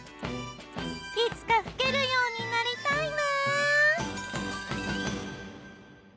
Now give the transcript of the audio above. いつか吹けるようになりたいな！